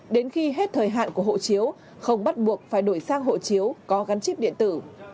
đến khi hết thời hạn của hộ chiếu không bắt buộc phải đổi sang hộ chiếu có gắn chip điện tử